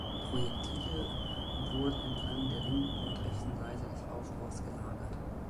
Die Projektile wurden entlang der linken und rechten Seite des Aufbaus gelagert.